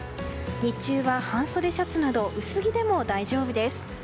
日中は半そでシャツなど薄着でも大丈夫です。